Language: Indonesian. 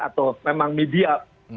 atau memang media